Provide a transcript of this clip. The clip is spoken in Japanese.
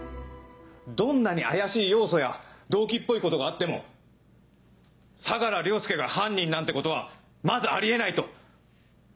どんなに怪しい要素や動機っぽいことがあっても相良凌介が犯人なんてことはまずあり得ないと。